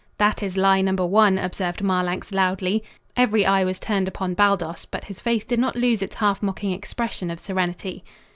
"That is lie number one," observed Marlanx loudly. Every eye was turned upon Baldos, but his face did not lose its half mocking expression of serenity.